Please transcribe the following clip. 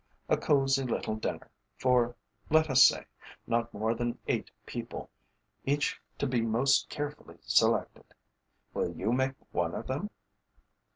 A cosy little dinner for, let us say, not more than eight people, each to be most carefully selected. Will you make one of them?"